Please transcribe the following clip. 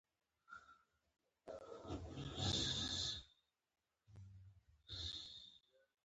اقدام کول يو کار دی، اقدام نه کول هم يو کار دی.